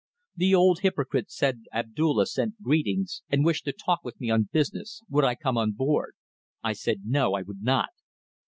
The old hypocrite said Abdulla sent greetings and wished to talk with me on business; would I come on board? I said no; I would not.